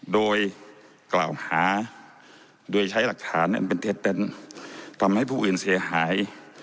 โดยกล่าวหาโดยใช้หลักฐานอันเป็นเท็จเต็นต์ทำให้ผู้อื่นเสียหาย